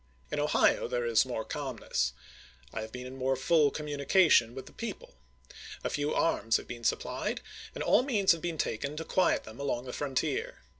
In Ohio there is more calmness. I have been in more full communication with the people. A few arms have been supplied, and aU means have been taken to quiet them along the frontier.